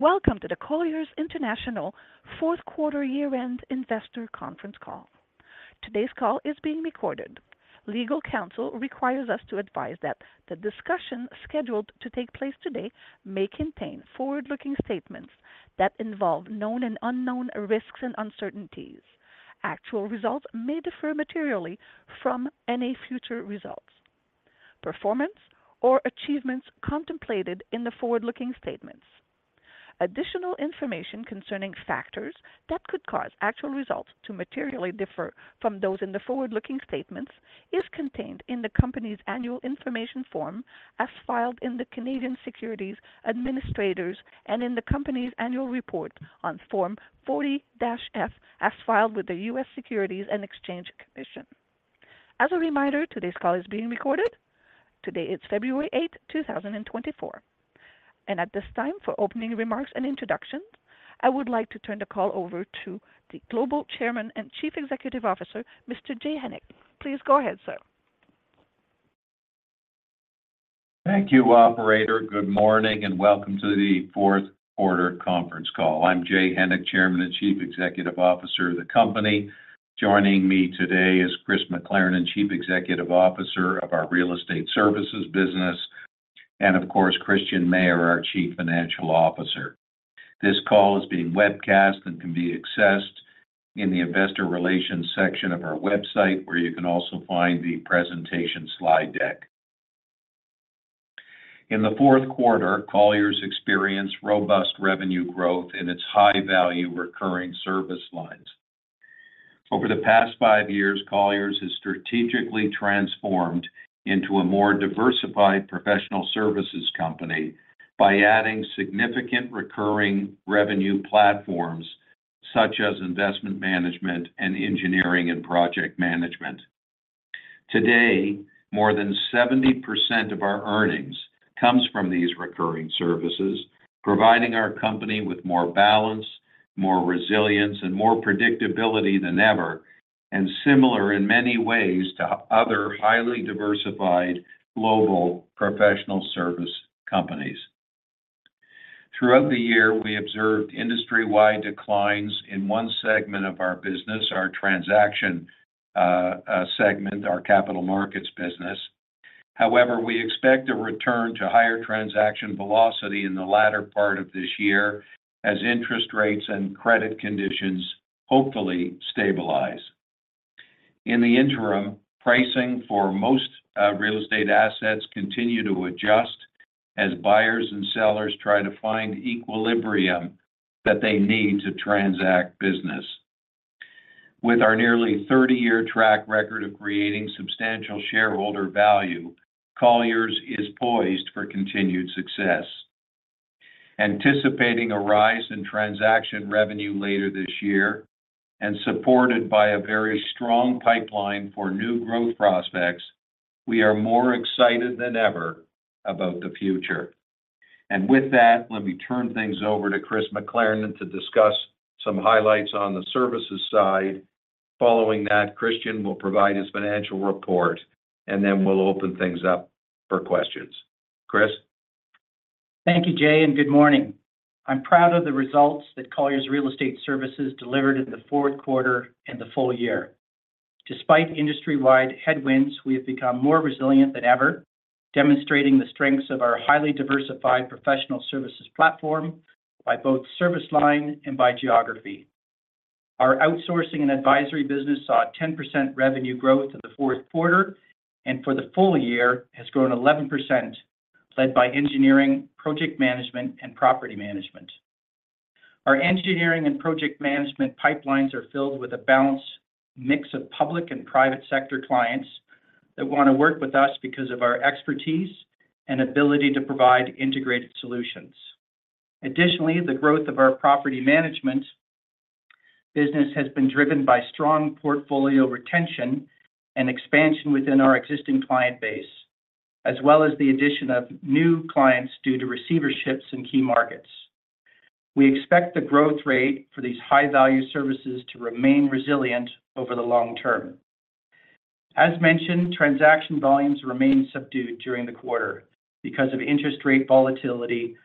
Welcome to the Colliers International Q4 year-end investor conference call. Today's call is being recorded. Legal counsel requires us to advise that the discussion scheduled to take place today may contain forward-looking statements that involve known and unknown risks and uncertainties. Actual results may differ materially from any future results, performance, or achievements contemplated in the forward-looking statements. Additional information concerning factors that could cause actual results to materially differ from those in the forward-looking statements is contained in the company's annual information form, as filed in the Canadian Securities Administrators, and in the company's annual report on Form 40-F, as filed with the U.S. Securities and Exchange Commission. As a reminder, today's call is being recorded. Today is February 8, 2024. At this time, for opening remarks and introductions, I would like to turn the call over to the Global Chairman and Chief Executive Officer, Mr. Jay Hennick. Please go ahead, sir. Thank you, operator. Good morning, and welcome to the Q4 conference call. I'm Jay Hennick, Chairman and Chief Executive Officer of the company. Joining me today is Chris McLernon, Chief Executive Officer of our Real Estate Services business, and of course, Christian Mayer, our Chief Financial Officer. This call is being webcast and can be accessed in the investor relations section of our website, where you can also find the presentation slide deck. In the Q4, Colliers experienced robust revenue growth in its high-value, recurring service lines. Over the past five years, Colliers has strategically transformed into a more diversified professional services company by adding significant recurring revenue platforms, such as Investment Management and engineering and project management. Today, more than 70% of our earnings comes from these recurring services, providing our company with more balance, more resilience, and more predictability than ever, and similar in many ways to other highly diversified global professional service companies. Throughout the year, we observed industry-wide declines in one segment of our business, our transaction segment, our Capital Markets business. However, we expect a return to higher transaction velocity in the latter part of this year as interest rates and credit conditions hopefully stabilize. In the interim, pricing for most real estate assets continue to adjust as buyers and sellers try to find equilibrium that they need to transact business. With our nearly 30-year track record of creating substantial shareholder value, Colliers is poised for continued success. Anticipating a rise in transaction revenue later this year, and supported by a very strong pipeline for new growth prospects, we are more excited than ever about the future. With that, let me turn things over to Chris McLernon to discuss some highlights on the services side. Following that, Christian will provide his financial report, and then we'll open things up for questions. Chris? Thank you, Jay, and good morning. I'm proud of the results that Colliers Real Estate Services delivered in the Q4 and the full year. Despite industry-wide headwinds, we have become more resilient than ever, demonstrating the strengths of our highly diversified professional services platform by both service line and by geography. Our Outsourcing and Advisory business saw a 10% revenue growth in the Q4, and for the full year, has grown 11%, led by engineering, project management, and property management. Our engineering and project management pipelines are filled with a balanced mix of public and private sector clients that want to work with us because of our expertise and ability to provide integrated solutions. Additionally, the growth of our property management business has been driven by strong portfolio retention and expansion within our existing client base, as well as the addition of new clients due to receiverships in key markets. We expect the growth rate for these high-value services to remain resilient over the long term. As mentioned, transaction volumes remained subdued during the quarter because of interest rate volatility,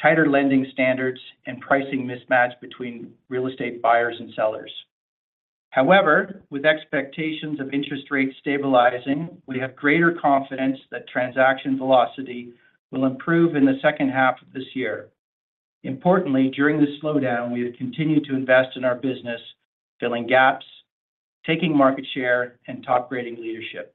tighter lending standards, and pricing mismatch between real estate buyers and sellers. However, with expectations of interest rates stabilizing, we have greater confidence that transaction velocity will improve in the H2 of this year. Importantly, during this slowdown, we have continued to invest in our business, filling gaps, taking market share, and top-grading leadership.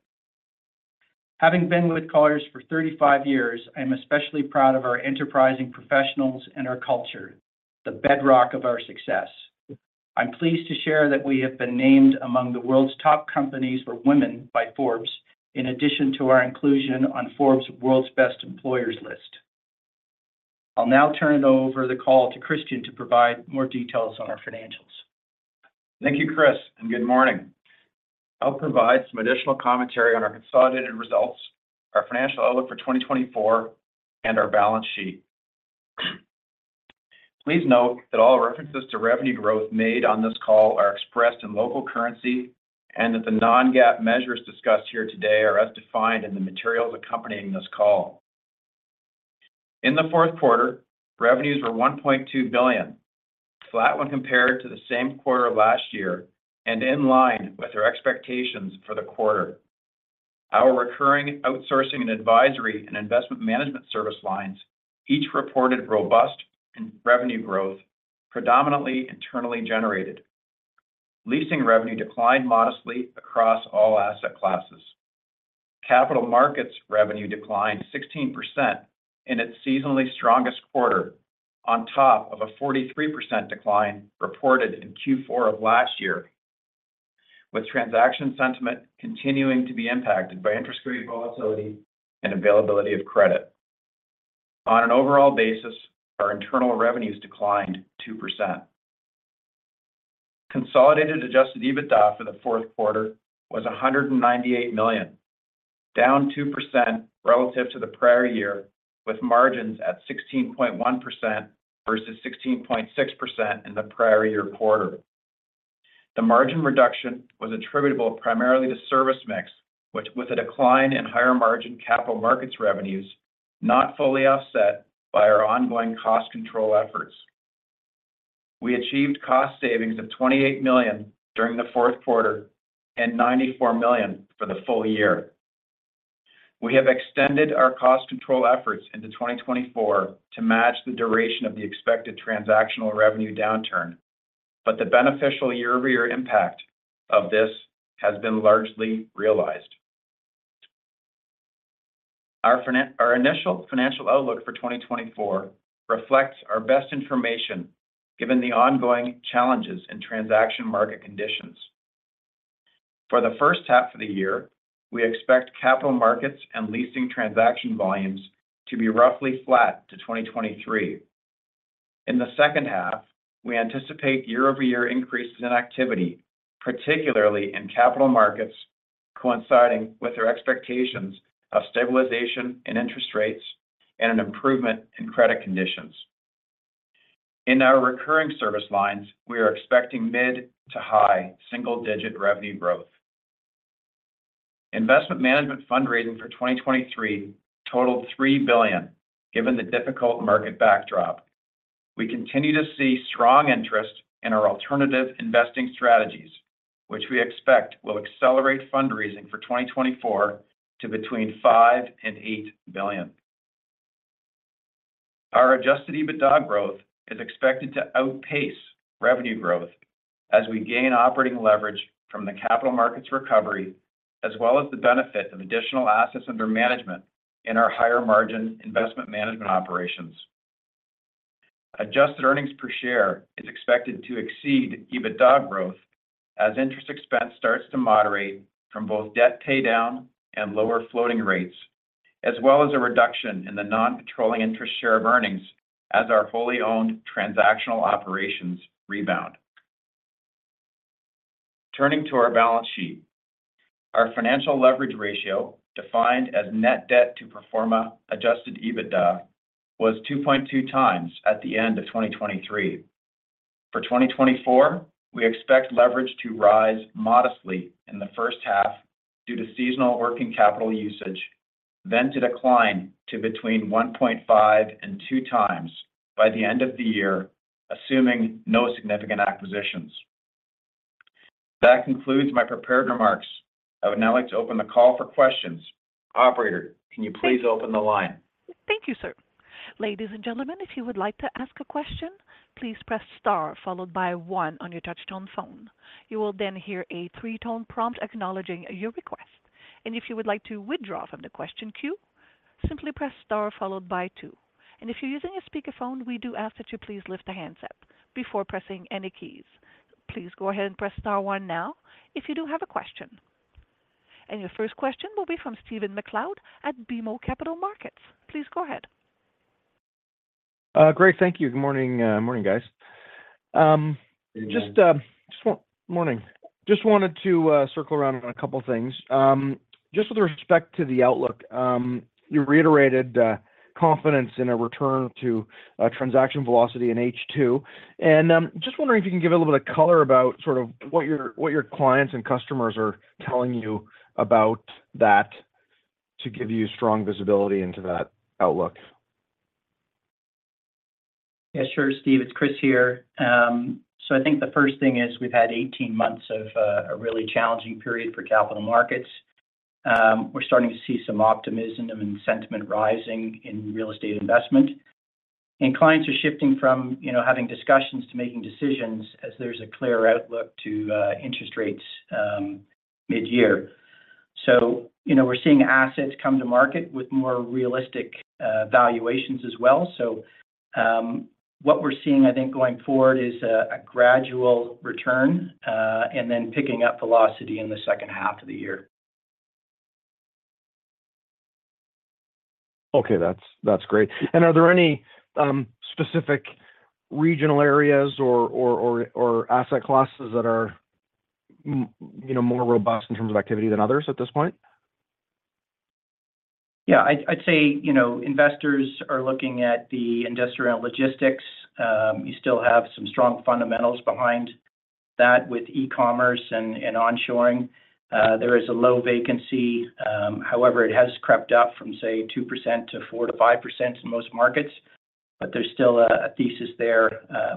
Having been with Colliers for 35 years, I am especially proud of our enterprising professionals and our culture, the bedrock of our success. I'm pleased to share that we have been named among the World's Top Companies for Women by Forbes, in addition to our inclusion on Forbes' World's Best Employers list. I'll now turn the call over to Christian to provide more details on our financials. Thank you, Chris, and good morning. I'll provide some additional commentary on our consolidated results, our financial outlook for 2024, and our balance sheet. Please note that all references to revenue growth made on this call are expressed in local currency-... and that the non-GAAP measures discussed here today are as defined in the materials accompanying this call. In the Q4, revenues were $1.2 billion, flat when compared to the same quarter last year and in line with our expectations for the quarter. Our recurring Outsourcing and Advisory and Investment Management service lines each reported robust revenue growth, predominantly internally generated. Leasing revenue declined modestly across all asset classes. Capital Markets revenue declined 16% in its seasonally strongest quarter, on top of a 43% decline reported in Q4 of last year, with transaction sentiment continuing to be impacted by interest rate volatility and availability of credit. On an overall basis, our internal revenues declined 2%. Consolidated Adjusted EBITDA for the Q4 was $198 million, down 2% relative to the prior year, with margins at 16.1% versus 16.6% in the prior year quarter. The margin reduction was attributable primarily to service mix, which, with a decline in higher-margin capital markets revenues, not fully offset by our ongoing cost control efforts. We achieved cost savings of $28 million during the Q4 and $94 million for the full year. We have extended our cost control efforts into 2024 to match the duration of the expected transactional revenue downturn, but the beneficial year-over-year impact of this has been largely realized. Our initial financial outlook for 2024 reflects our best information, given the ongoing challenges in transaction market conditions. For the H1 of the year, we expect Capital Markets and Leasing transaction volumes to be roughly flat to 2023. In the second half, we anticipate year-over-year increases in activity, particularly in Capital Markets, coinciding with our expectations of stabilization in interest rates and an improvement in credit conditions. In our recurring service lines, we are expecting mid- to high single-digit revenue growth. Investment Management fundraising for 2023 totaled $3 billion, given the difficult market backdrop. We continue to see strong interest in our alternative investing strategies, which we expect will accelerate fundraising for 2024 to between $5 billion and $8 billion. Our Adjusted EBITDA growth is expected to outpace revenue growth as we gain operating leverage from the Capital Markets recovery, as well as the benefit of additional assets under management in our higher-margin Investment Management operations. Adjusted earnings per share is expected to exceed EBITDA growth as interest expense starts to moderate from both debt paydown and lower floating rates, as well as a reduction in the non-controlling interest share of earnings as our fully owned transactional operations rebound. Turning to our balance sheet, our financial leverage ratio, defined as Net Debt to Pro Forma Adjusted EBITDA, was 2.2 times at the end of 2023. For 2024, we expect leverage to rise modestly in the first half due to seasonal working capital usage, then to decline to between 1.5 and 2 times by the end of the year, assuming no significant acquisitions. That concludes my prepared remarks. I would now like to open the call for questions. Operator, can you please open the line? Thank you, sir. Ladies and gentlemen, if you would like to ask a question, please press star followed by one on your touchtone phone. You will then hear a three-tone prompt acknowledging your request. If you would like to withdraw from the question queue, simply press star followed by two. If you're using a speakerphone, we do ask that you please lift the handset before pressing any keys. Please go ahead and press star one now if you do have a question. Your first question will be from Stephen MacLeod at BMO Capital Markets. Please go ahead. Great, thank you. Good morning, guys. Good morning. Morning. Just wanted to circle around on a couple of things. Just with respect to the outlook, you reiterated confidence in a return to transaction velocity in H2. And just wondering if you can give a little bit of color about sort of what your clients and customers are telling you about that to give you strong visibility into that outlook. Yeah, sure, Steve. It's Chris here. So I think the first thing is we've had 18 months of a really challenging period for capital markets. We're starting to see some optimism and sentiment rising in real estate investment, and clients are shifting from, you know, having discussions to making decisions as there's a clearer outlook to interest rates mid-year. So, you know, we're seeing assets come to market with more realistic valuations as well. So what we're seeing, I think, going forward is a gradual return and then picking up velocity in the H2 of the year. Okay, that's great. And are there any specific regional areas or asset classes that are, you know, more robust in terms of activity than others at this point? ... Yeah, I'd say, you know, investors are looking at the industrial logistics. You still have some strong fundamentals behind that with e-commerce and onshoring. There is a low vacancy, however, it has crept up from, say, 2% to 4%-5% in most markets. But there's still a thesis there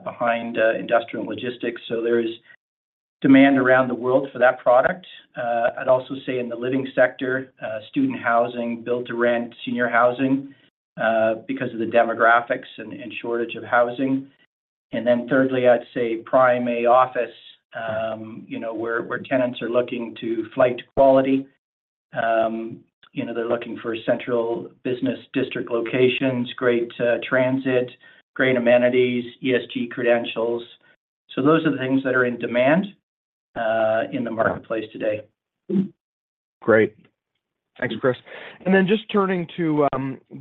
behind industrial logistics, so there's demand around the world for that product. I'd also say in the living sector, student housing, build to rent, senior housing, because of the demographics and shortage of housing. And then thirdly, I'd say prime A office, you know, where tenants are looking to flight to quality. You know, they're looking for central business district locations, great transit, great amenities, ESG credentials. So those are the things that are in demand in the marketplace today. Great. Thanks, Chris. And then just turning to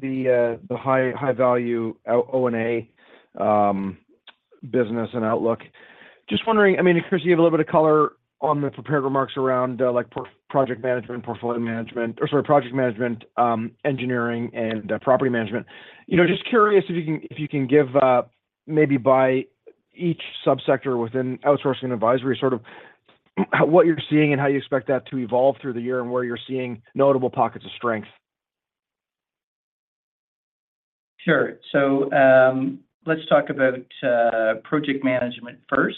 the high-value O&A business and outlook. Just wondering, I mean, Chris, you have a little bit of color on the prepared remarks around, like, project management, portfolio management-- or sorry, project management, engineering and property management. You know, just curious if you can, if you can give maybe by each subsector within outsourcing and advisory, sort of what you're seeing and how you expect that to evolve through the year, and where you're seeing notable pockets of strength. Sure. So, let's talk about project management first.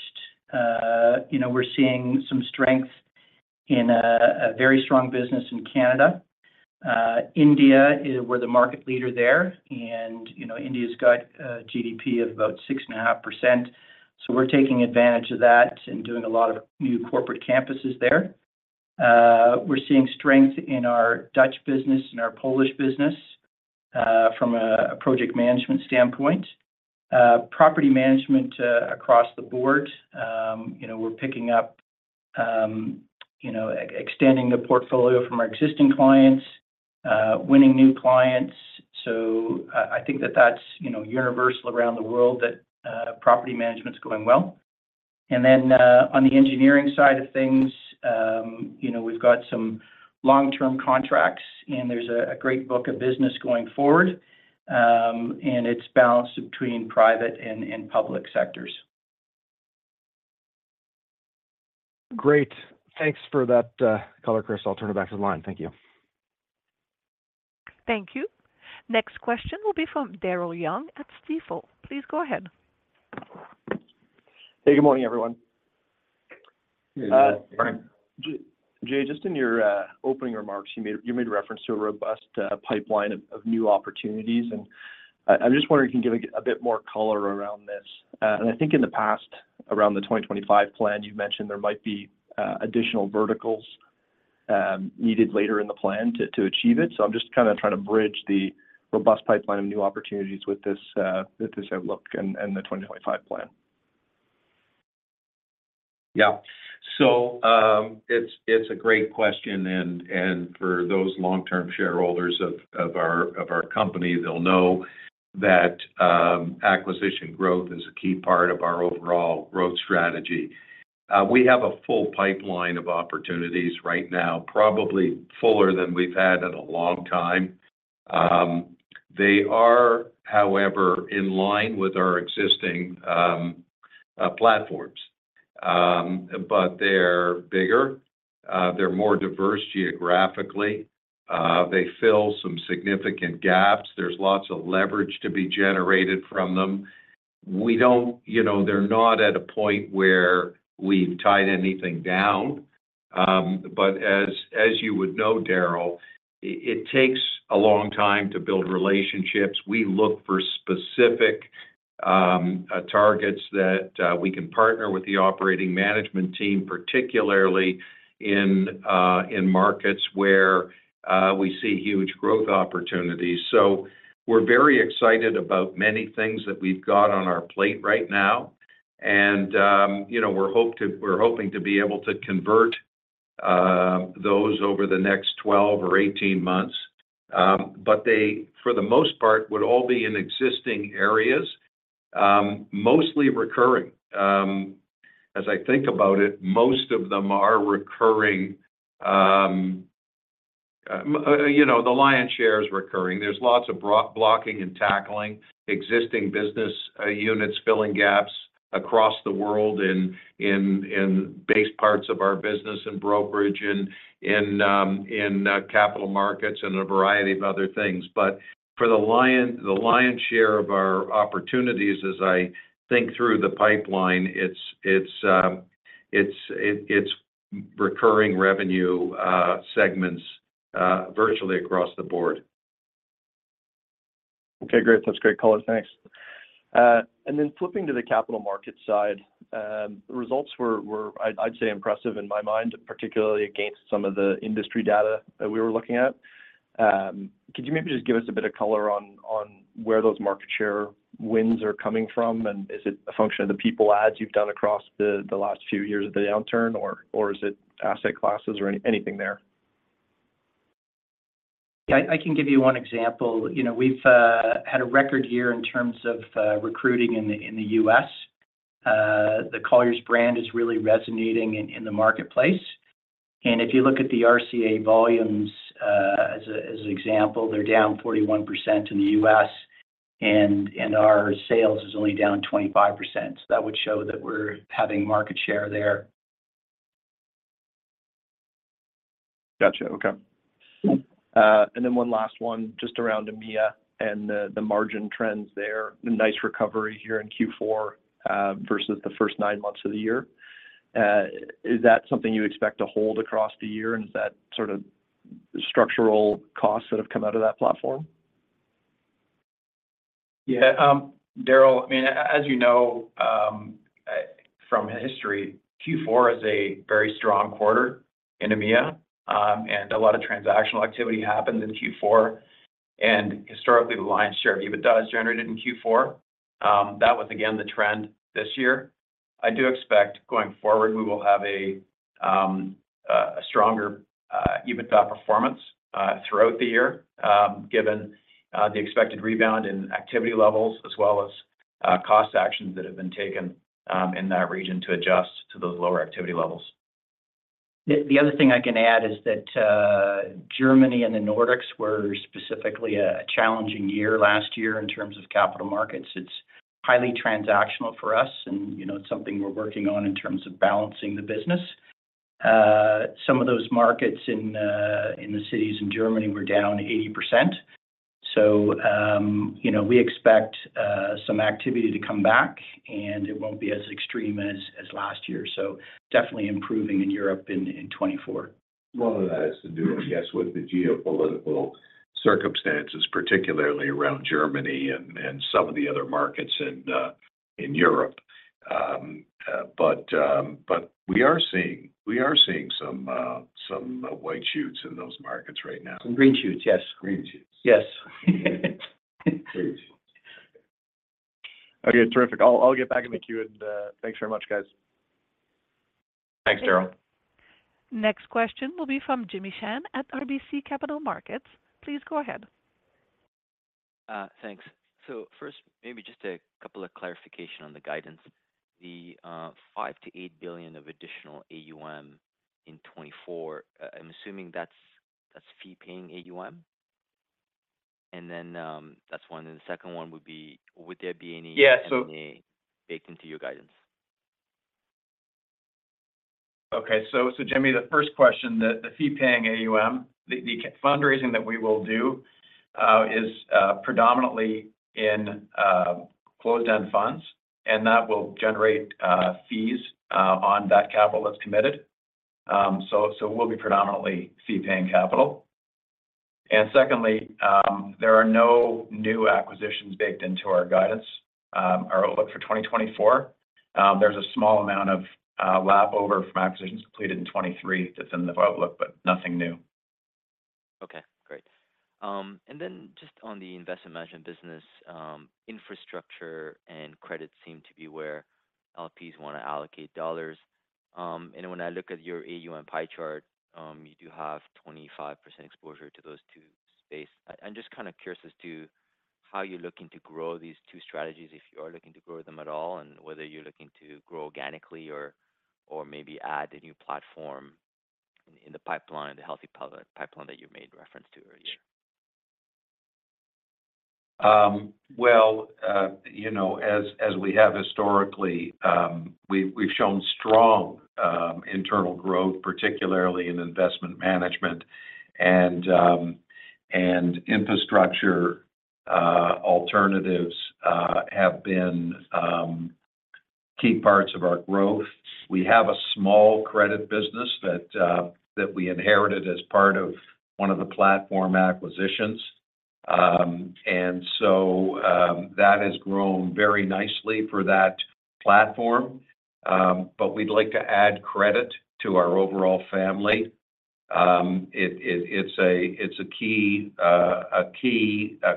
You know, we're seeing some strength in a very strong business in Canada. India, we're the market leader there, and, you know, India's got a GDP of about 6.5%. So we're taking advantage of that and doing a lot of new corporate campuses there. We're seeing strength in our Dutch business and our Polish business, from a project management standpoint. Property management, across the board, you know, we're picking up, you know, extending the portfolio from our existing clients, winning new clients. So I think that's, you know, universal around the world, that property management's going well. And then, on the engineering side of things, you know, we've got some long-term contracts, and there's a great book of business going forward, and it's balanced between private and public sectors. Great. Thanks for that, color, Chris. I'll turn it back to the line. Thank you. Thank you. Next question will be from Daryl Young at Stifel. Please go ahead. Hey, good morning, everyone. Good morning. Jay, just in your opening remarks, you made reference to a robust pipeline of new opportunities, and I'm just wondering if you can give a bit more color around this. And I think in the past, around the 2025 plan, you mentioned there might be additional verticals needed later in the plan to achieve it. So I'm just kinda trying to bridge the robust pipeline of new opportunities with this outlook and the 2025 plan. Yeah. So, it's a great question, and for those long-term shareholders of our company, they'll know that acquisition growth is a key part of our overall growth strategy. We have a full pipeline of opportunities right now, probably fuller than we've had in a long time. They are, however, in line with our existing platforms. But they're bigger, they're more diverse geographically, they fill some significant gaps. There's lots of leverage to be generated from them. We don't, you know, they're not at a point where we've tied anything down, but as you would know, Daryl, it takes a long time to build relationships. We look for specific targets that we can partner with the operating management team, particularly in markets where we see huge growth opportunities. So we're very excited about many things that we've got on our plate right now, and, you know, we're hoping to be able to convert those over the next 12 or 18 months. But they, for the most part, would all be in existing areas, mostly recurring. As I think about it, most of them are recurring. You know, the lion's share is recurring. There's lots of blocking and tackling existing business units, filling gaps across the world in base parts of our business, in brokerage, in Capital Markets, and a variety of other things. But for the lion's share of our opportunities, as I think through the pipeline, it's recurring revenue segments, virtually across the board. Okay, great. That's great color. Thanks. And then flipping to the Capital Markets side, results were, I'd say, impressive in my mind, particularly against some of the industry data that we were looking at. Could you maybe just give us a bit of color on where those market share wins are coming from? And is it a function of the people adds you've done across the last few years of the downturn, or is it asset classes or anything there? Yeah, I can give you one example. You know, we've had a record year in terms of recruiting in the U.S. The Colliers brand is really resonating in the marketplace. And if you look at the RCA volumes, as an example, they're down 41% in the U.S., and our sales is only down 25%. So that would show that we're having market share there. Gotcha. Okay. And then one last one just around EMEA and the margin trends there. A nice recovery here in Q4 versus the first nine months of the year. Is that something you expect to hold across the year, and is that sort of structural costs that have come out of that platform? Yeah, Daryl, I mean, as you know, from history, Q4 is a very strong quarter in EMEA, and a lot of transactional activity happens in Q4, and historically, the lion's share of EBITDA is generated in Q4. That was again the trend this year. I do expect going forward, we will have a stronger EBITDA performance throughout the year, given the expected rebound in activity levels, as well as cost actions that have been taken in that region to adjust to those lower activity levels. The other thing I can add is that Germany and the Nordics were specifically a challenging year last year in terms of Capital Markets. It's highly transactional for us, and, you know, it's something we're working on in terms of balancing the business. Some of those markets in the cities in Germany were down 80%. So, you know, we expect some activity to come back, and it won't be as extreme as last year. So definitely improving in Europe in 2024. A lot of that has to do, I guess, with the geopolitical circumstances, particularly around Germany and some of the other markets in Europe. But we are seeing some green shoots in those markets right now. Some green shoots, yes. Green shoots. Yes. Green shoots. Okay, terrific. I'll get back in the queue, and thanks very much, guys. Thanks, Daryl. Next question will be from Jimmy Shan at RBC Capital Markets. Please go ahead. Thanks. So first, maybe just a couple of clarification on the guidance. The $5 billion-$8 billion of additional AUM in 2024, I'm assuming that's fee-paying AUM? And then, that's one. And the second one would be, would there be any- Yeah, so- - baked into your guidance? Okay. So, Jimmy, the first question, the fee-paying AUM, the fundraising that we will do is predominantly in closed-end funds, and that will generate fees on that capital that's committed. So, it will be predominantly fee-paying capital. And secondly, there are no new acquisitions baked into our guidance, our outlook for 2024. There's a small amount of lap over from acquisitions completed in 2023 that's in the outlook, but nothing new. Okay, great. And then just on the investment management business, infrastructure and credit seem to be where LPs want to allocate dollars. And when I look at your AUM pie chart, you do have 25% exposure to those two spaces. I'm just kind of curious as to how you're looking to grow these two strategies, if you are looking to grow them at all, and whether you're looking to grow organically or maybe add a new platform in the pipeline, the healthy pipeline that you made reference to earlier. Well, you know, as we have historically, we've shown strong internal growth, particularly in Investment Management and infrastructure alternatives have been key parts of our growth. We have a small credit business that we inherited as part of one of the platform acquisitions. And so, that has grown very nicely for that platform. But we'd like to add credit to our overall family. It's a key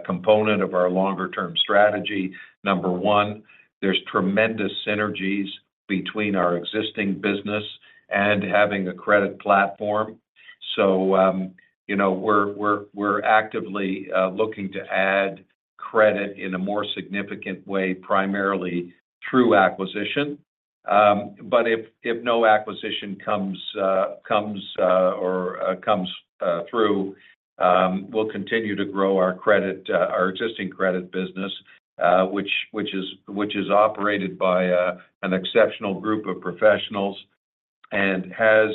component of our longer-term strategy. Number one, there's tremendous synergies between our existing business and having a credit platform. So, you know, we're actively looking to add credit in a more significant way, primarily through acquisition. But if no acquisition comes through, we'll continue to grow our existing credit business, which is operated by an exceptional group of professionals and has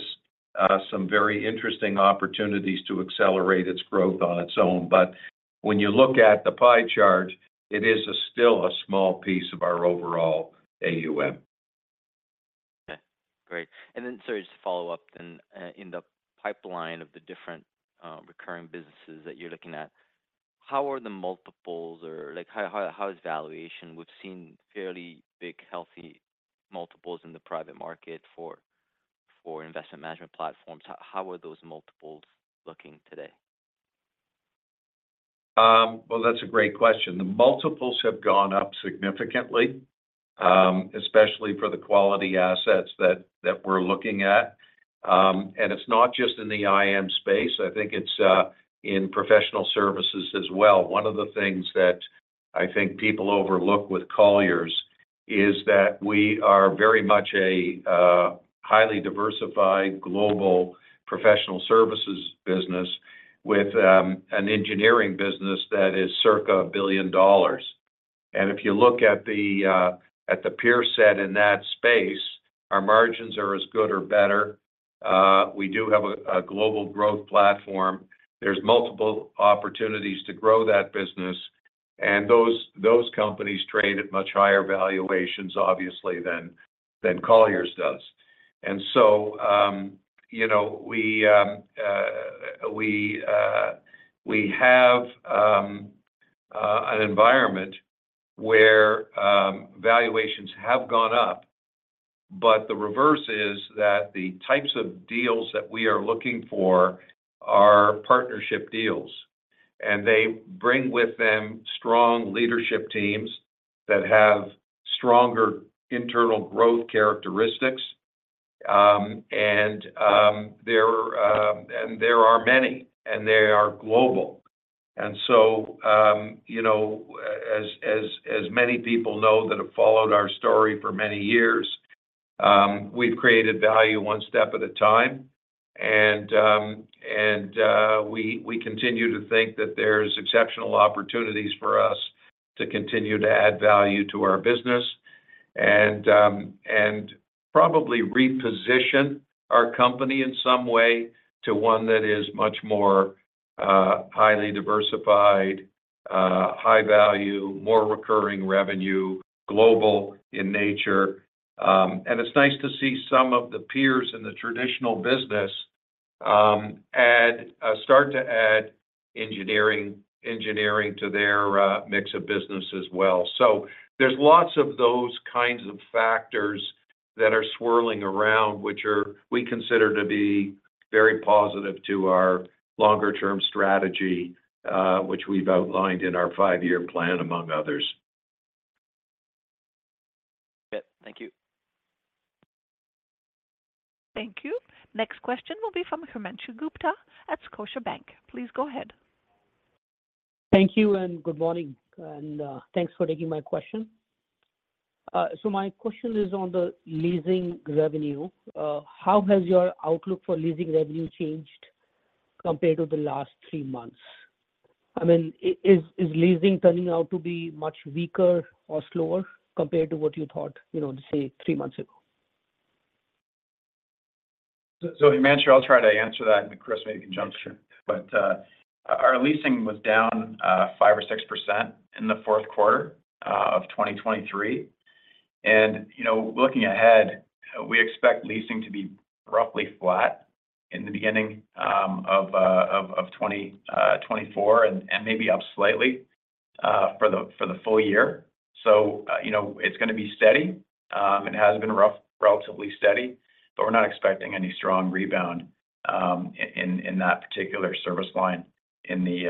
some very interesting opportunities to accelerate its growth on its own. But when you look at the pie chart, it is still a small piece of our overall AUM. Okay, great. And then, sorry, just to follow up then, in the pipeline of the different recurring businesses that you're looking at, how are the multiples or like, how is valuation? We've seen fairly big, healthy multiples in the private market for investment management platforms. How are those multiples looking today? Well, that's a great question. The multiples have gone up significantly, especially for the quality assets that we're looking at. It's not just in the IM space, I think it's in professional services as well. One of the things that I think people overlook with Colliers is that we are very much a highly diversified global professional services business with an engineering business that is circa $1 billion. If you look at the peer set in that space, our margins are as good or better. We do have a global growth platform. There's multiple opportunities to grow that business, and those companies trade at much higher valuations, obviously, than Colliers does. You know, we have an environment where valuations have gone up, but the reverse is that the types of deals that we are looking for are partnership deals, and they bring with them strong leadership teams that have stronger internal growth characteristics. And there are many, and they are global. And so, you know, as many people know that have followed our story for many years, we've created value one step at a time. And we continue to think that there's exceptional opportunities for us to continue to add value to our business. And probably reposition our company in some way to one that is much more highly diversified, high value, more recurring revenue, global in nature. And it's nice to see some of the peers in the traditional business start to add engineering to their mix of business as well. So there's lots of those kinds of factors that are swirling around, which we consider to be very positive to our longer-term strategy, which we've outlined in our five-year plan, among others. Okay. Thank you. Thank you. Next question will be from Himanshu Gupta at Scotiabank. Please go ahead. Thank you, and good morning, and, thanks for taking my question. So my question is on the leasing revenue. How has your outlook for leasing revenue changed compared to the last three months? I mean, is leasing turning out to be much weaker or slower compared to what you thought, you know, say, three months ago? So, Himanshu, I'll try to answer that, and, Chris, maybe you can jump in. Sure. But our Leasing was down 5%-6% in the Q4 of 2023. And, you know, looking ahead, we expect Leasing to be roughly flat in the beginning of 2024, and maybe up slightly for the full year. So, you know, it's gonna be steady. It has been relatively steady, but we're not expecting any strong rebound in that particular service line in the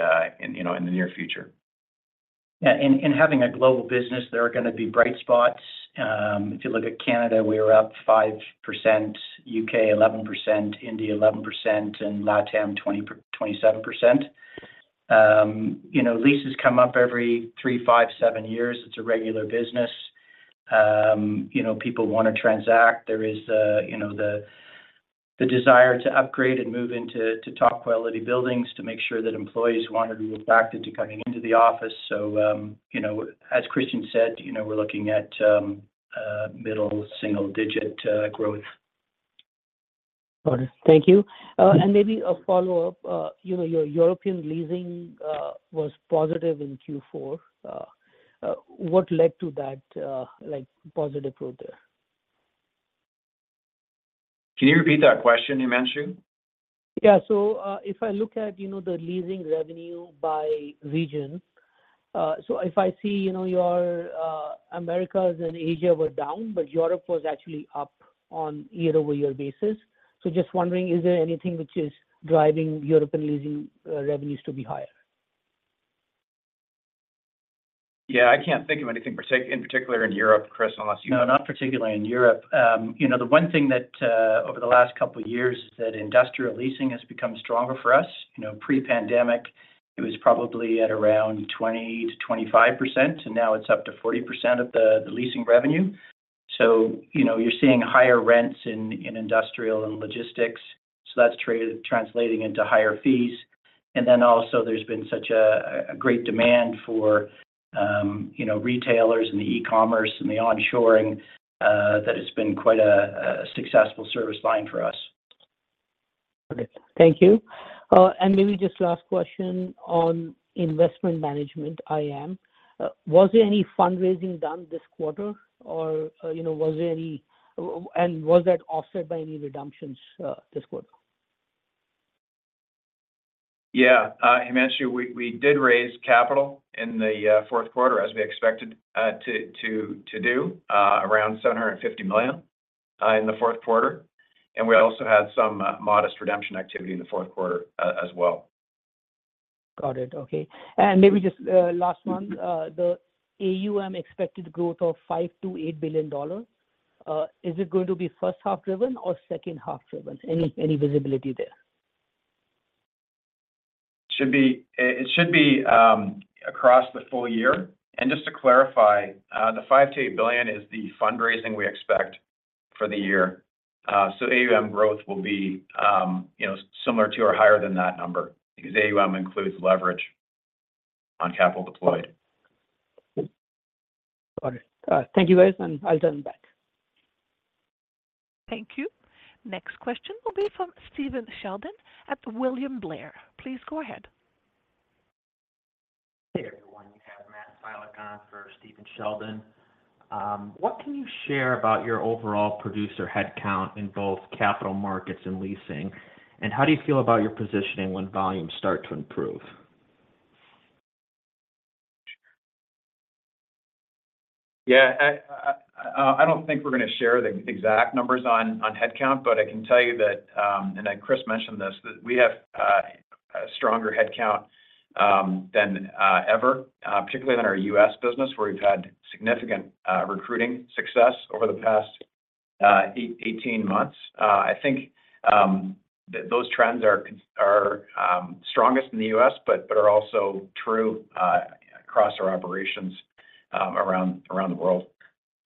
near future. Yeah. In having a global business, there are gonna be bright spots. If you look at Canada, we are up 5%, UK, 11%, India, 11%, and LATAM, 27%. You know, leases come up every three, five, seven years. It's a regular business. You know, people wanna transact. There is a, you know, the desire to upgrade and move into top-quality buildings to make sure that employees wanted to move back into coming into the office. So, you know, as Christian said, you know, we're looking at middle single-digit growth. Got it. Thank you. And maybe a follow-up. You know, your European leasing was positive in Q4. What led to that, like, positive growth there? Can you repeat that question, Himanshu? Yeah. So, if I look at, you know, the leasing revenue by region, so if I see, you know, your, Americas and Asia were down, but Europe was actually up on year-over-year basis. So just wondering, is there anything which is driving European leasing revenues to be higher? Yeah, I can't think of anything per se, in particular in Europe. Chris, unless you- No, not particularly in Europe. You know, the one thing that over the last couple of years is that industrial leasing has become stronger for us. You know, pre-pandemic, it was probably at around 20%-25%, and now it's up to 40% of the leasing revenue. So, you know, you're seeing higher rents in industrial and logistics, so that's translating into higher fees. And then also, there's been such a great demand for retailers and the e-commerce and the onshoring that it's been quite a successful service line for us. Okay. Thank you. And maybe just last question on Investment Management, IM. Was there any fundraising done this quarter? Or, you know, and was that offset by any redemptions, this quarter? Yeah, Himanshu, we did raise capital in the Q4, as we expected, to do around $750 million in the Q4. And we also had some modest redemption activity in the Q4, as well.... Got it. Okay. And maybe just last one, the AUM expected growth of $5 billion-$8 billion, is it going to be first half driven or second half driven? Any visibility there? Should be, it should be, across the full year. And just to clarify, the $5 billion-$8 billion is the fundraising we expect for the year. So AUM growth will be, you know, similar to or higher than that number, because AUM includes leverage on capital deployed. Got it. Thank you, guys, and I'll turn back. Thank you. Next question will be from Stephen Sheldon at William Blair. Please go ahead. Hey, everyone, you have Matt Filek on for Stephen Sheldon. What can you share about your overall producer headcount in both Capital Markets and Leasing? And how do you feel about your positioning when volumes start to improve? Yeah, I don't think we're going to share the exact numbers on headcount, but I can tell you that, and then Chris mentioned this, that we have a stronger headcount than ever, particularly in our U.S. business, where we've had significant recruiting success over the past 18 months. I think that those trends are strongest in the U.S., but are also true across our operations around the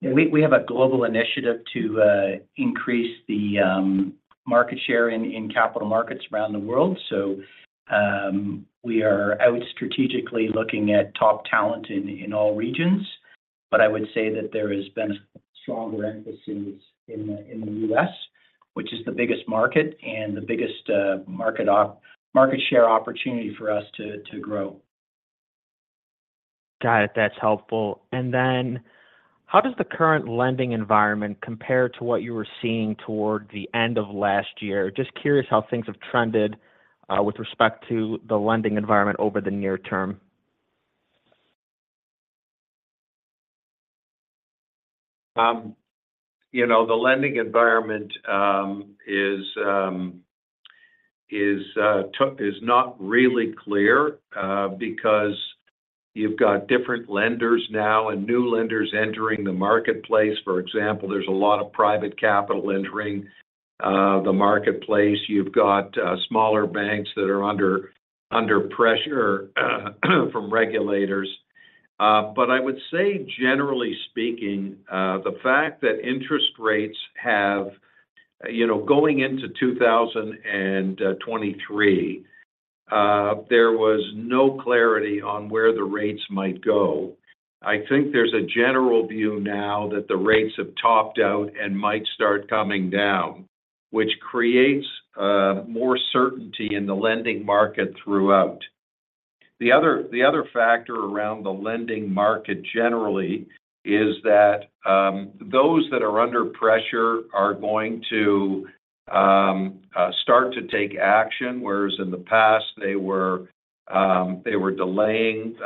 world. Yeah, we have a global initiative to increase the market share in capital markets around the world. So, we are out strategically looking at top talent in all regions. But I would say that there has been a stronger emphasis in the U.S., which is the biggest market and the biggest market share opportunity for us to grow. Got it. That's helpful. And then how does the current lending environment compare to what you were seeing toward the end of last year? Just curious how things have trended, with respect to the lending environment over the near term. You know, the lending environment is not really clear because you've got different lenders now and new lenders entering the marketplace. For example, there's a lot of private capital entering the marketplace. You've got smaller banks that are under pressure from regulators. But I would say, generally speaking, the fact that interest rates have... You know, going into 2023, there was no clarity on where the rates might go. I think there's a general view now that the rates have topped out and might start coming down, which creates more certainty in the lending market throughout. The other factor around the lending market, generally, is that those that are under pressure are going to start to take action, whereas in the past, they were delaying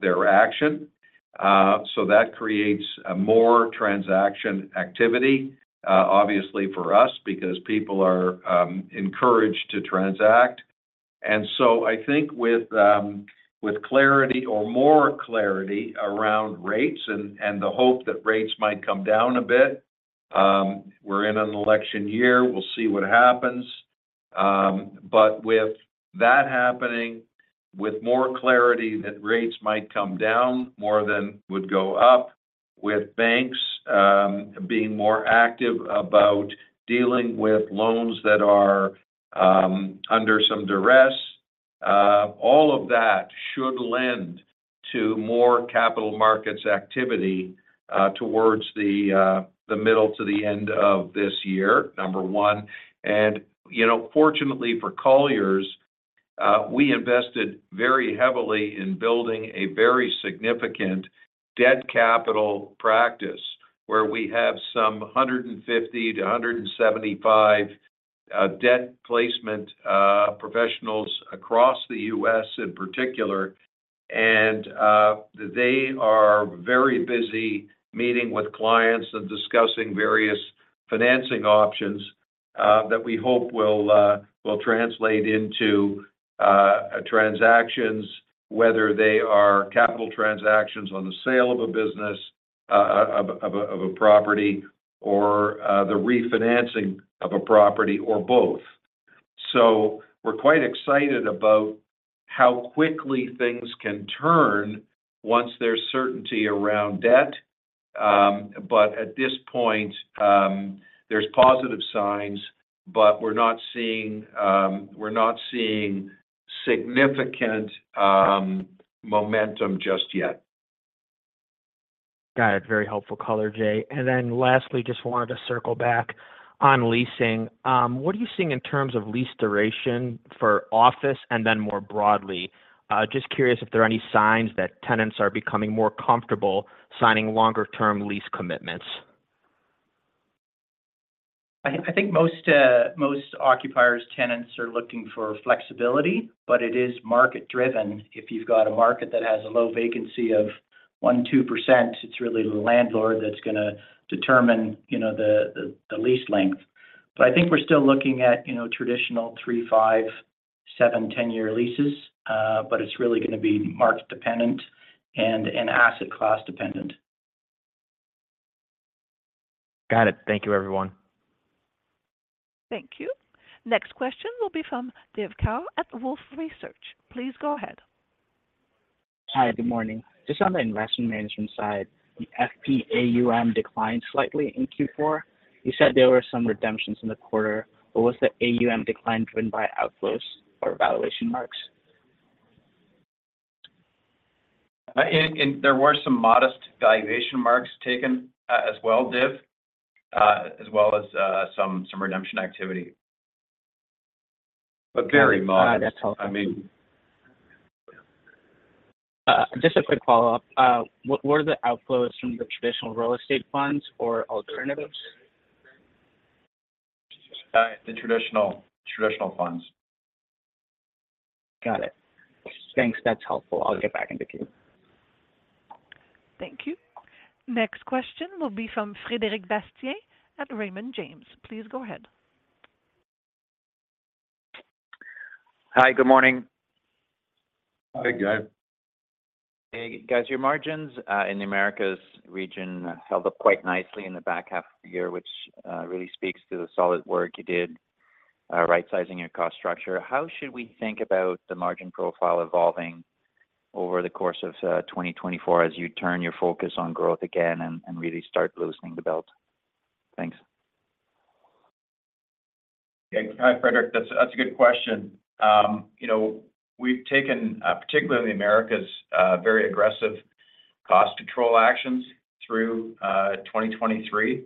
their action. So that creates more transaction activity, obviously for us, because people are encouraged to transact. And so I think with clarity or more clarity around rates and the hope that rates might come down a bit, we're in an election year, we'll see what happens. But with that happening, with more clarity that rates might come down more than would go up, with banks being more active about dealing with loans that are under some duress, all of that should lend to more Capital Markets activity towards the middle to the end of this year, number one. You know, fortunately for Colliers, we invested very heavily in building a very significant debt capital practice, where we have some 150 to 175 debt placement professionals across the U.S. in particular. They are very busy meeting with clients and discussing various financing options that we hope will translate into transactions, whether they are capital transactions on the sale of a business, of a property, or the refinancing of a property or both. So we're quite excited about how quickly things can turn once there's certainty around debt. But at this point, there's positive signs, but we're not seeing significant momentum just yet. Got it. Very helpful color, Jay. And then lastly, just wanted to circle back on leasing. What are you seeing in terms of lease duration for office and then more broadly? Just curious if there are any signs that tenants are becoming more comfortable signing longer-term lease commitments. I think most occupiers, tenants are looking for flexibility, but it is market-driven. If you've got a market that has a low vacancy of-... 1%-2%, it's really the landlord that's gonna determine, you know, the lease length. But I think we're still looking at, you know, traditional 3-, 5-, 7-, 10-year leases, but it's really gonna be market dependent and asset class dependent. Got it. Thank you, everyone. Thank you. Next question will be from Keegan Carl at Wolfe Research. Please go ahead. Hi, good morning. Just on the Investment Management side, the FP AUM declined slightly in Q4. You said there were some redemptions in the quarter, but was the AUM decline driven by outflows or valuation marks? And there were some modest valuation marks taken, as well, there, as well as some redemption activity. But very modest- Got it. That's helpful. I mean... Just a quick follow-up. What were the outflows from the traditional real estate funds or alternatives? The traditional funds. Got it. Thanks, that's helpful. I'll get back in the queue. Thank you. Next question will be from Frederic Bastien at Raymond James. Please go ahead. Hi, good morning. Hi, guys. Hey, guys. Your margins in the Americas region held up quite nicely in the back half of the year, which really speaks to the solid work you did right-sizing your cost structure. How should we think about the margin profile evolving over the course of 2024 as you turn your focus on growth again and really start loosening the belt? Thanks. Yeah. Hi, Frederic. That's a, that's a good question. You know, we've taken, particularly in the Americas, very aggressive cost control actions through 2023.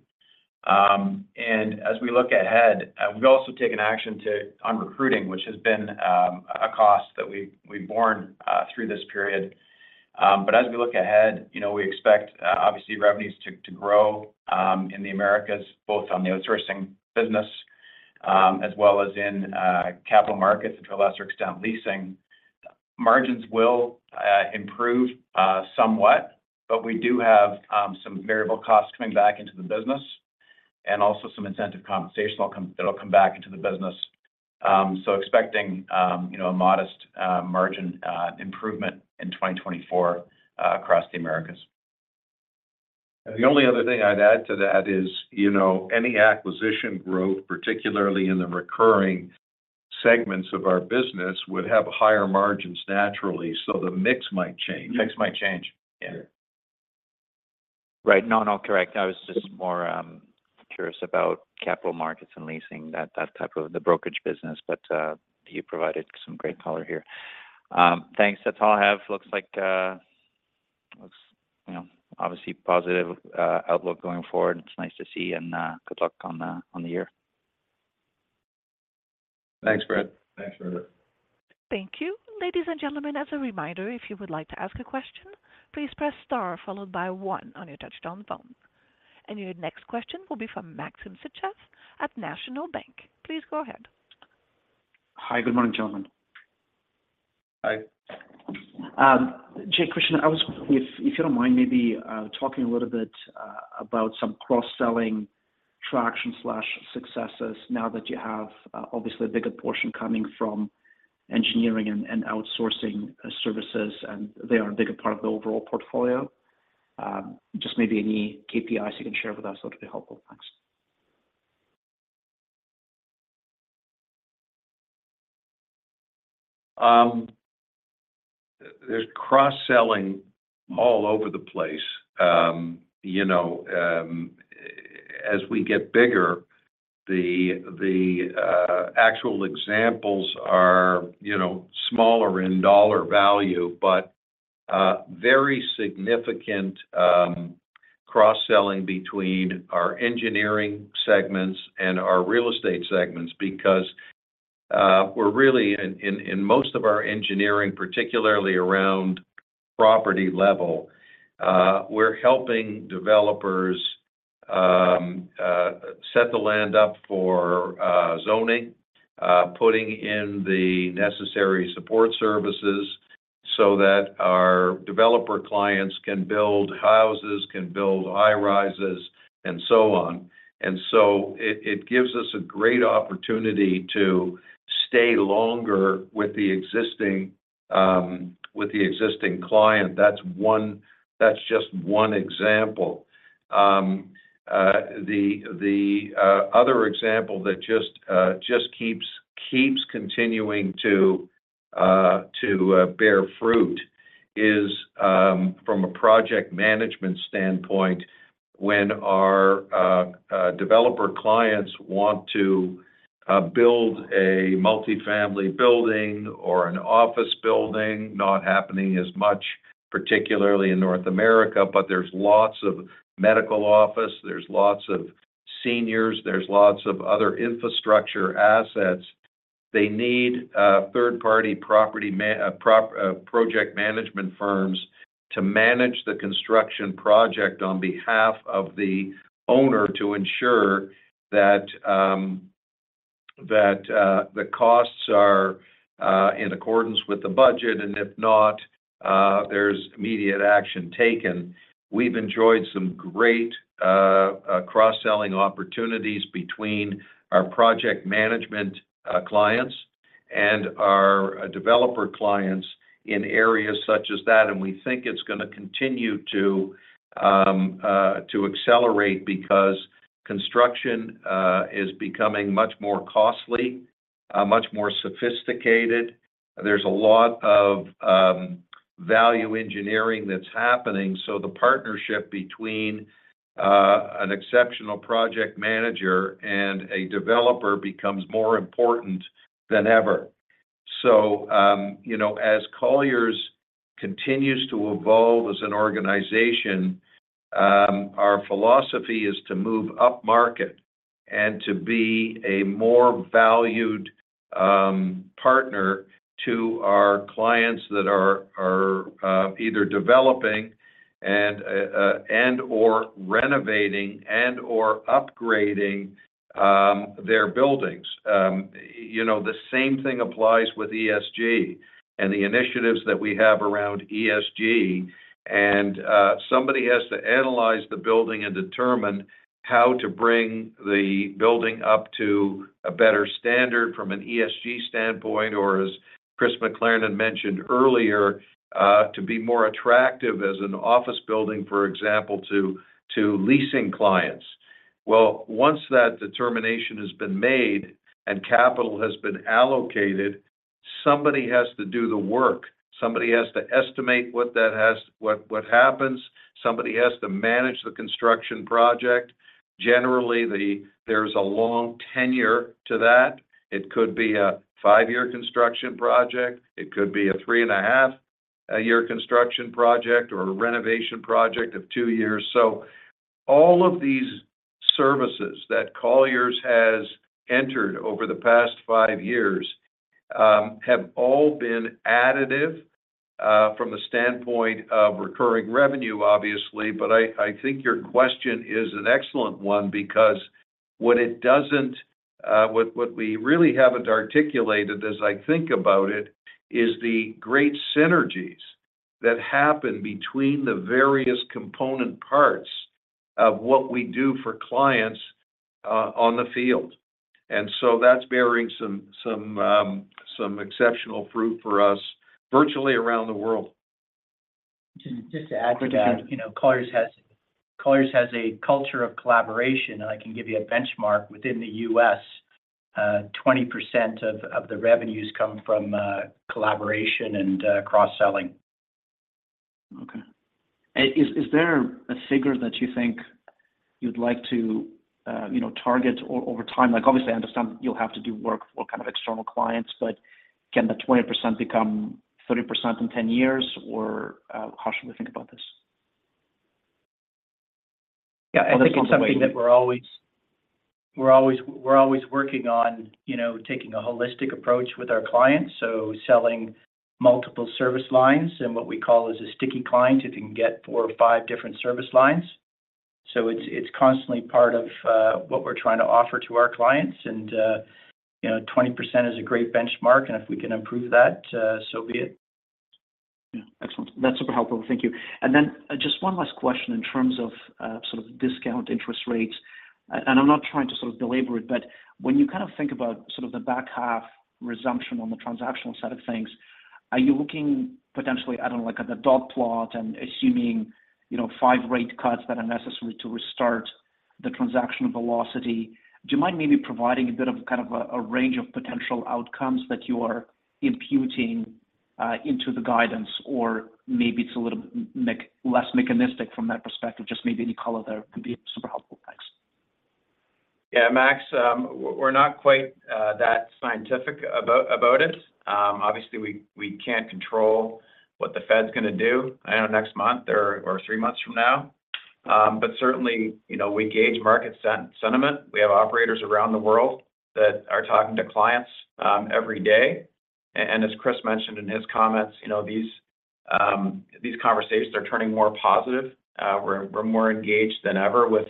And as we look ahead, we've also taken action to, on recruiting, which has been, a cost that we've, we've borne, through this period. But as we look ahead, you know, we expect, obviously revenues to, to grow, in the Americas, both on the outsourcing business, as well as in, capital markets, and to a lesser extent, leasing. Margins will, improve, somewhat, but we do have, some variable costs coming back into the business, and also some incentive compensation will come-- that'll come back into the business. So expecting, you know, a modest, margin, improvement in 2024, across the Americas. The only other thing I'd add to that is, you know, any acquisition growth, particularly in the recurring segments of our business, would have higher margins naturally, so the mix might change. Mix might change. Yeah. Right. No, no, correct. I was just more curious about capital markets and leasing, that type of the brokerage business, but you provided some great color here. Thanks, that's all I have. Looks like, you know, obviously positive outlook going forward. It's nice to see and good luck on the year. Thanks, Fred. Thanks, Frederic. Thank you. Ladies and gentlemen, as a reminder, if you would like to ask a question, please press star followed by one on your touchtone phone. Your next question will be from Maxim Sytchev at National Bank. Please go ahead. Hi, good morning, gentlemen. Hi. Jay, Christian, if you don't mind maybe talking a little bit about some cross-selling traction successes now that you have obviously a bigger portion coming from engineering and outsourcing services, and they are a bigger part of the overall portfolio. Just maybe any KPIs you can share with us that would be helpful. Thanks. There's cross-selling all over the place. You know, as we get bigger, the actual examples are, you know, smaller in dollar value, but very significant cross-selling between our engineering segments and our real estate segments. Because we're really, in most of our engineering, particularly around property level, we're helping developers set the land up for zoning, putting in the necessary support services so that our developer clients can build houses, can build high-rises, and so on. And so it gives us a great opportunity to stay longer with the existing client. That's one. That's just one example. The other example that just keeps continuing to bear fruit is from a project management standpoint, when our developer clients want to build a multifamily building or an office building, not happening as much, particularly in North America, but there's lots of medical office, there's lots of seniors, there's lots of other infrastructure assets. They need third-party project management firms to manage the construction project on behalf of the owner to ensure that the costs are in accordance with the budget, and if not, there's immediate action taken. We've enjoyed some great cross-selling opportunities between our project management clients and our developer clients in areas such as that, and we think it's gonna continue to accelerate because construction is becoming much more costly, much more sophisticated. There's a lot of value engineering that's happening. So the partnership between an exceptional project manager and a developer becomes more important than ever. So, you know, as Colliers continues to evolve as an organization, our philosophy is to move upmarket and to be a more valued partner to our clients that are either developing and/or renovating, and/or upgrading their buildings. You know, the same thing applies with ESG and the initiatives that we have around ESG. And, somebody has to analyze the building and determine how to bring the building up to a better standard from an ESG standpoint, or as Chris McLernon mentioned earlier, to be more attractive as an office building, for example, to leasing clients. Well, once that determination has been made and capital has been allocated, somebody has to do the work, somebody has to estimate what happens, somebody has to manage the construction project. Generally, there's a long tenure to that. It could be a five-year construction project, it could be a three and a half year construction project or a renovation project of two years. So all of these services that Colliers has entered over the past five years have all been additive from the standpoint of recurring revenue, obviously. But I think your question is an excellent one, because what it doesn't, what we really haven't articulated as I think about it, is the great synergies that happen between the various component parts of what we do for clients, on the field. And so that's bearing some exceptional fruit for us virtually around the world. Just to add to that, you know, Colliers has a culture of collaboration, and I can give you a benchmark. Within the U.S., 20% of the revenues come from collaboration and cross-selling. Okay. And is there a figure that you think you'd like to, you know, target over time? Like, obviously, I understand you'll have to do work for kind of external clients, but can the 20% become 30% in 10 years, or how should we think about this? Yeah, I think it's something that we're always working on, you know, taking a holistic approach with our clients, so selling multiple service lines and what we call as a sticky client, if you can get four or five different service lines. So it's constantly part of what we're trying to offer to our clients. And, you know, 20% is a great benchmark, and if we can improve that, so be it. Yeah. Excellent. That's super helpful. Thank you. And then just one last question in terms of sort of discount interest rates. And I'm not trying to sort of belabor it, but when you kind of think about sort of the back half resumption on the transactional side of things, are you looking potentially, I don't know, like at the dot plot and assuming, you know, 5 rate cuts that are necessary to restart the transactional velocity? Do you mind maybe providing a bit of kind of a range of potential outcomes that you are imputing into the guidance, or maybe it's a little meaningless mechanistic from that perspective, just maybe any color there can be super helpful. Thanks. Yeah, Max, we're not quite that scientific about it. Obviously, we can't control what the Fed's gonna do, I know, next month or three months from now. But certainly, you know, we gauge market sentiment. We have operators around the world that are talking to clients every day. And as Chris mentioned in his comments, you know, these conversations are turning more positive. We're more engaged than ever with,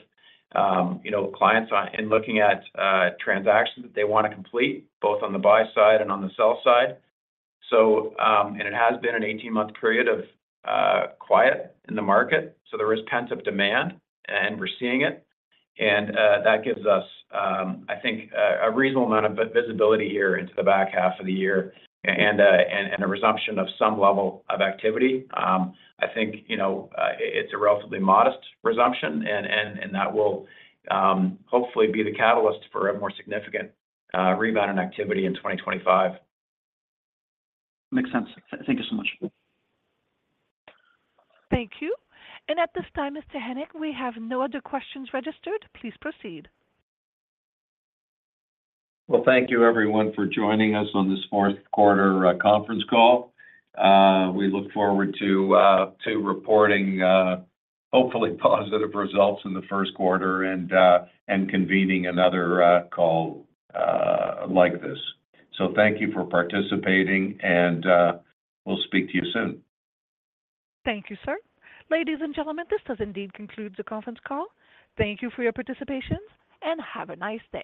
you know, clients on in looking at transactions that they wanna complete, both on the buy side and on the sell side. So, and it has been an 18-month period of quiet in the market, so there is pent-up demand, and we're seeing it. That gives us, I think, a reasonable amount of visibility here into the back half of the year and a resumption of some level of activity. I think, you know, it's a relatively modest resumption, and that will hopefully be the catalyst for a more significant rebound in activity in 2025. Makes sense. Thank you so much. Thank you. At this time, Mr. Hennick, we have no other questions registered. Please proceed. Well, thank you everyone for joining us on this Q4 Conference Call. We look forward to reporting hopefully positive results in the first quarter and convening another call like this. So thank you for participating, and we'll speak to you soon. Thank you, sir. Ladies and gentlemen, this does indeed conclude the conference call. Thank you for your participation, and have a nice day.